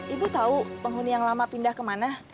ibu tahu penghuni yang lama pindah ke mana